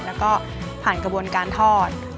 แล้วก็ผ่านกระบวนการทอด